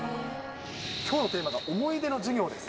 きょうのテーマが思い出の授業です。